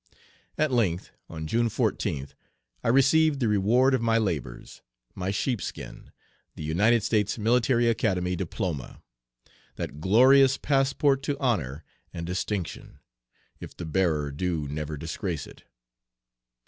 At length, on June 14th, I received the reward of my labors, my "sheepskin," the United States Military Academy Diploma, that glorious passport to honor and distinction, if the bearer do never disgrace it.